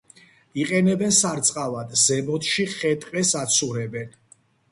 იყენებენ სარწყავად, ზემოთში ხე-ტყეს აცურებენ.